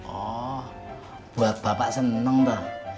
oh buat bapak seneng tuh